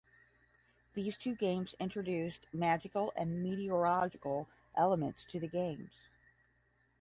These two games introduced magical and meteorological elements to the games.